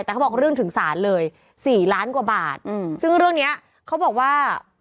แต่เขาบอกเรื่องถึงศาลเลยสี่ล้านกว่าบาทอืมซึ่งเรื่องเนี้ยเขาบอกว่า